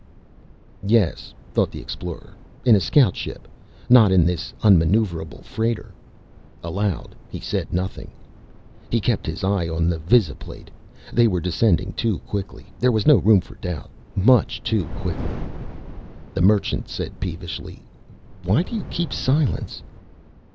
Yes, thought the Explorer, in a scout ship, not in this unmaneuverable freighter. Aloud, he said nothing. He kept his eye on the visi plate. They were descending too quickly. There was no room for doubt. Much too quickly. The Merchant said, peevishly, "Why do you keep silence?"